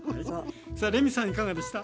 さあレミさんいかがでした？